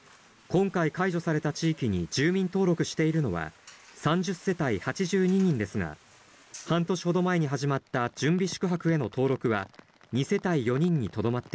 今回、解除された地域に住民登録しているのは、３０世帯８２人ですが、半年ほど前に始まった準備宿泊への登録は、２世帯４人にとどまっ